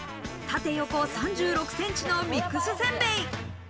縦、横３６ｃｍのミックスせんべい。